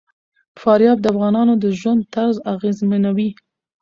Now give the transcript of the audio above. فاریاب د افغانانو د ژوند طرز اغېزمنوي.